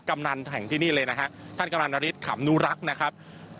กำนันแห่งที่นี่เลยนะครับท่านกำนันนาริสขำนูรักนะครับ